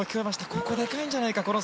ここ、でかいんじゃないか。